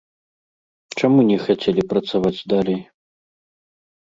Чаму не хацелі працаваць далей?